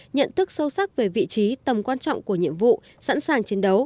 nhận thức sâu sắc về vị trí tầm quan trọng của nhiệm vụ sẵn sàng chiến đấu